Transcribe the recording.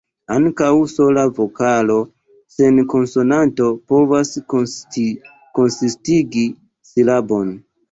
Ankaŭ sola vokalo sen konsonanto povas konsistigi silabon.